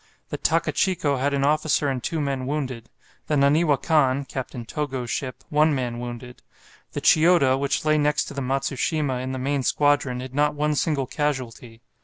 The "Takachico" had an officer and two men wounded; the "Naniwa Kan" (Captain Togo's ship) one man wounded. The "Chiyoda," which lay next to the "Matsushima," in the main squadron, had not one single casualty.